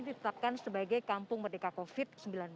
ditetapkan sebagai kampung merdeka covid sembilan belas